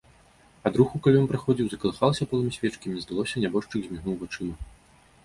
Ад руху, калі ён праходзіў, закалыхалася полымя свечкі, і мне здалося, нябожчык змігнуў вачыма.